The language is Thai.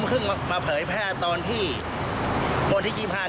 ก็ใคร